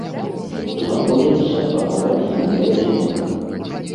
Знаходзіцца акурат на беразе мора.